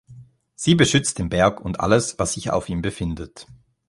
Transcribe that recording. Sie beschützt den Berg und alles, was sich auf ihm befindet.